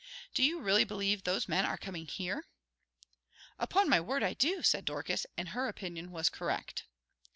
Do you really believe those men are comin' here?" "Upon my word I do!" said Dorcas, and her opinion was correct.